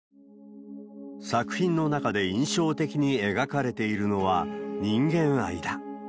作品の中で印象的に描かれているのは、人間愛だ。